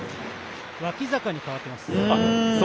脇坂に代わっています。